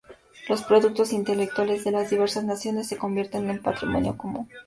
Los productos intelectuales de las diversas naciones se convierten en patrimonio común.